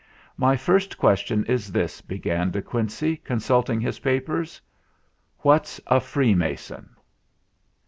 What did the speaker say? "My first question is this," began De Quin cey, consulting his papers : "What's a freemason?"